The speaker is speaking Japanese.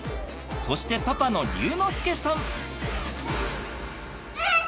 そしてパパの龍之介さん。